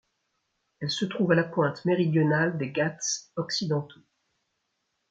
Elle se trouve à la pointe méridionale des Ghats occidentaux.